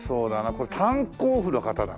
これ炭鉱夫の方だな。